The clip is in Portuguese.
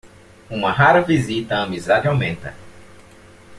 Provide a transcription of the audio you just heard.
Uma rara visita à amizade aumenta.